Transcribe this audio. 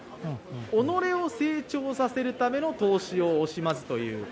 己を成長させるための投資は惜しまずという。